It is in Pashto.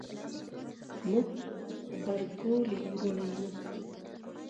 موږ غبرګولي وروڼه یو